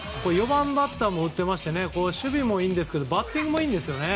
４番バッターも打ってまして守備もいいんですけどバッティングもいいんです。